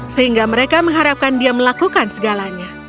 sehingga mereka mengharapkan dia melakukan segalanya